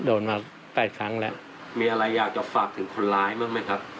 โดนมา๘ครั้งแล้วมีอะไรอยากจะฝากถึงคนร้ายบ้างไหมครับ